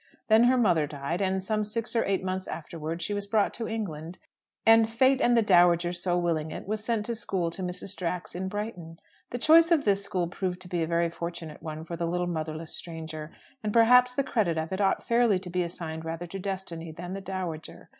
Then her mother died, and some six or eight months afterwards she was brought to England, and Fate and the dowager so willing it was sent to school to Mrs. Drax in Brighton. The choice of this school proved to be a very fortunate one for the little motherless stranger. And perhaps the credit of it ought fairly to be assigned rather to Destiny than the dowager.